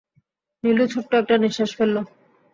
নীলু ছোট্ট একটা নিঃশ্বাস ফেলল।